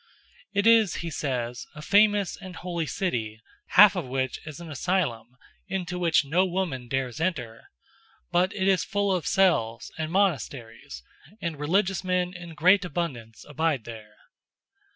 "It is," he says, "a famous and holy city, half of which is an asylum, into which no woman dares enter; but it is full of cells and monasteries; and religious men in great abundance abide there."